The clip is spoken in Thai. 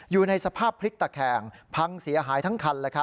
อยู่ในสภาพพลิกตะแคงพังเสียหายทั้งคัน